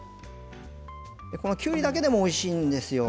このきゅうりだけでもおいしいんですよ。